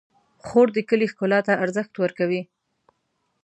خور د کلي ښکلا ته ارزښت ورکوي.